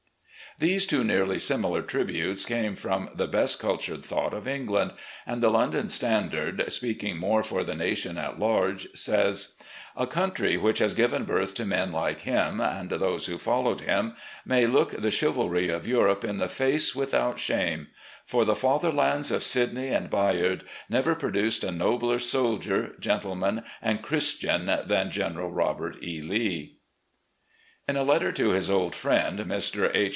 These two nearly similar tributes came from the best cultured thought of England, and the London Standard, speaking more for the nation at large, says: "A country which has given birth to men like him, and those who followed him, may look the chivalry of Europe in the face without shame; for the fatherlands of Sidney and Bayard never produced a nobler soldier, gentleman, ani> Christian tium General Robert E. Lee" 2i6 recollections op general lee In a letter to his old friend, Mr. H.